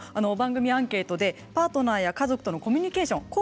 番組アンケートでパートナーや家族とのコミュニケーション